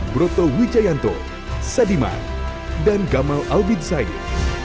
broto wijayanto sadimar dan gamal albin zaid